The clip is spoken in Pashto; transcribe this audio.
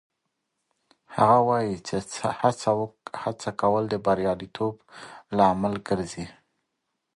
هغه وایي چې هڅه کول د بریالیتوب لامل ګرځي